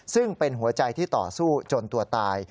ซึ่งเป็นหัวใจที่ต่อสู้จนตัวตาย